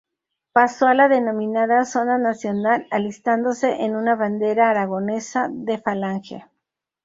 Pasó a la denominada "zona nacional", alistándose en una bandera aragonesa de Falange.